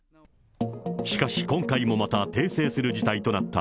しかし、今回もまた訂正する事態となった。